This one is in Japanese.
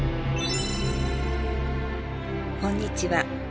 こんにちは。